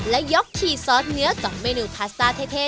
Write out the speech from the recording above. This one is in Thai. และยกขี่ซอสเนื้อ๒เมนูพาสต้าเท่